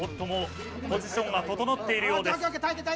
ポジションは整っているようです。